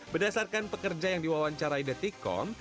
berdasarkan pekerja yang diwawancarai the tickom